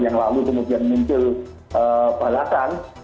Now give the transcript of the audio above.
yang lalu kemudian muncul balasan